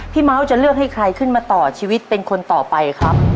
เมาส์จะเลือกให้ใครขึ้นมาต่อชีวิตเป็นคนต่อไปครับ